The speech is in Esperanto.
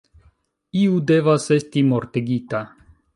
Iu devas esti mortigita.